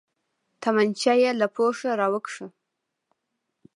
تمانچه يې له پوښه راوکښ.